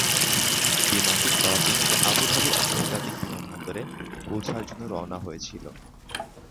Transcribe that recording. বিমানটি করাচি থেকে Abu Dhabi আন্তর্জাতিক বিমানবন্দরে পৌঁছার জন্য রওনা হয়েছিল।